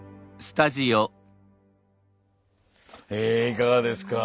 えいかがですか？